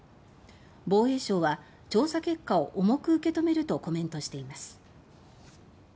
防衛省は「調査結果を重く受け止める」とコメントしています。